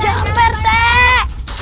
jangan pak rt